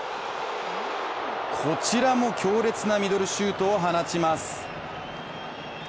こちらも強烈なミドルシュートを放ちます。